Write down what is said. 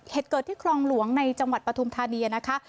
เหตุเกิดที่ครองหลวงในจังหวัดปฐุมธานีนะคะ